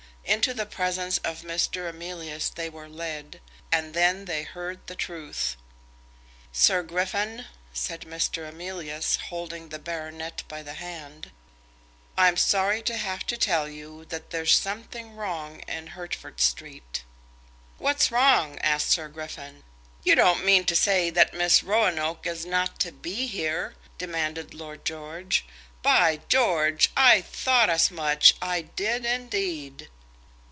Into the presence of Mr. Emilius they were led, and then they heard the truth. "Sir Griffin," said Mr. Emilius, holding the baronet by the hand, "I'm sorry to have to tell you that there's something wrong in Hertford Street." "What's wrong?" asked Sir Griffin. "You don't mean to say that Miss Roanoke is not to be here?" demanded Lord George. "By George, I thought as much. I did indeed."